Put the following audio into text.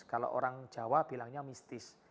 kalau orang jawa bilangnya mistis